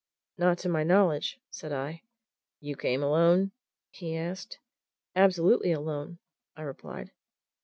"Not to my knowledge!" said I. "You came alone?" he asked. "Absolutely alone," I replied.